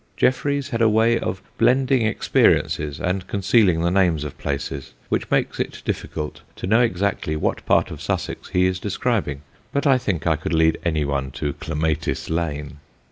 Jefferies had a way of blending experiences and concealing the names of places, which makes it difficult to know exactly what part of Sussex he is describing; but I think I could lead anyone to Clematis Lane.